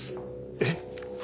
えっ？